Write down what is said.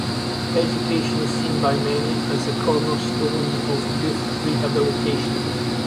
Education is seen by many as the cornerstone of youth rehabilitation.